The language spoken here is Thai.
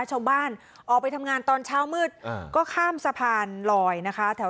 ชาวบ้านออกไปทำงานตอนเช้ามืดก็ข้ามสะพานลอยนะคะ